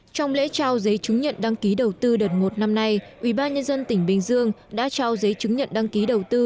trong lễ trao giấy chứng nhận đăng ký đầu tư đợt một năm nay ubnd tỉnh bình dương đã trao giấy chứng nhận đăng ký đầu tư